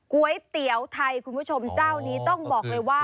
ก๋วยเตี๋ยวไทยคุณผู้ชมเจ้านี้ต้องบอกเลยว่า